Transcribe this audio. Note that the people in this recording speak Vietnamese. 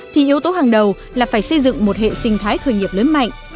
thì yếu tố hàng đầu là phải xây dựng một hệ sinh thái khởi nghiệp lớn mạnh